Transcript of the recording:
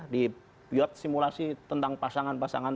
dibuat simulasi tentang pasangan pasangan